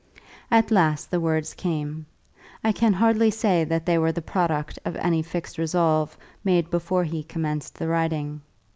At last the words came. I can hardly say that they were the product of any fixed resolve made before he commenced the writing.